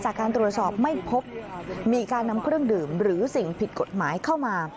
จากการตรวจสอบไม่พบมีการนำเครื่องดื่มหรือสิ่งผิดกฎหมายเข้ามา